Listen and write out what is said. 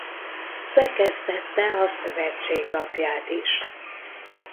Szerkesztette a szövetség lapját is.